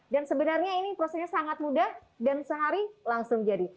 sebenarnya ini prosesnya sangat mudah dan sehari langsung jadi